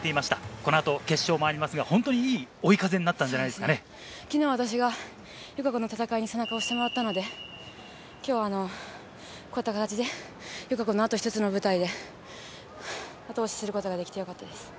このあと決勝もありますが、本当にいい追い風になったんじゃそうですね、きのうは私が友香子の戦いに背中を押してもらったので、きょうはこういった形で、友香子のあと１つの舞台で後押しすることができてよかったです。